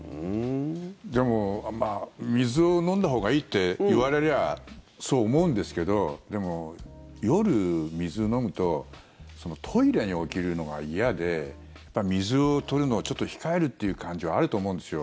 でも水を飲んだほうがいいって言われりゃそう思うんですけどでも夜、水飲むとトイレに起きるのが嫌で水を取るのをちょっと控えるっていう感じはあると思うんですよ。